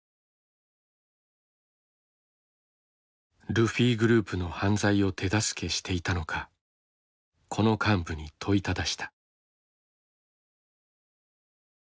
ルフィグループの犯罪を手助けしていたのかこの幹部に問いただした。